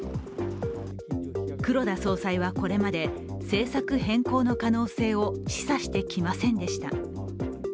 黒田総裁はこれまで、政策変更の可能性を示唆してきませんでした。